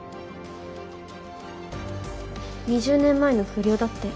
２０年前の不良だって。